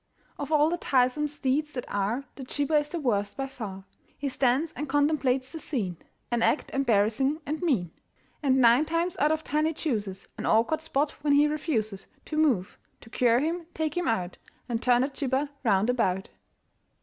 Of all the tiresome steeds that are The jibber is the worst by far. He stands and contemplates the scene An act embarrassing and mean. And nine times out of ten he chooses An awkward spot when he refuses To move. To cure him, take him out And turn the jibber round about.